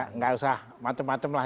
enggak usah macem macem lah